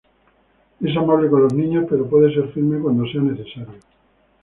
Es amable con los niños, pero puede ser firme cuando sea necesario.